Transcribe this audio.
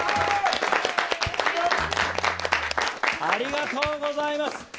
ありがとうございます！